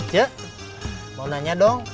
cik mau nanya dong